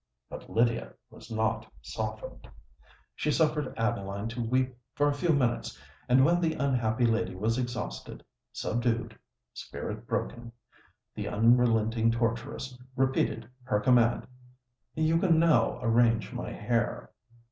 But Lydia was not softened! She suffered Adeline to weep for a few minutes; and when the unhappy lady was exhausted—subdued—spirit broken—the unrelenting torturess repeated her command—"You can now arrange my hair."